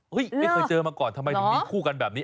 ไม่เคยเจอมาก่อนทำไมถึงมีคู่กันแบบนี้